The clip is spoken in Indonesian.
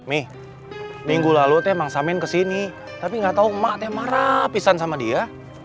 mi minggu lalu teh mang samin kesini tapi gak tau emak teh marah pisan sama dia